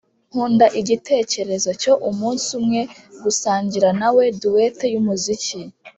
nkunda igitekerezo cyo umunsi umwe gusangira nawe duet yumuziki